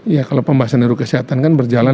ya kalau pembahasan ruu kesehatan kan berjalan